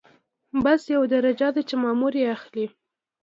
بست یوه درجه ده چې مامور یې اخلي.